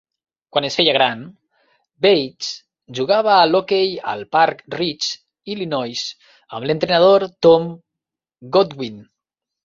Quan es feia gran, Bates jugava a l'hoquei al Park Ridge, Illinois, amb l'entrenador Tom Godwin.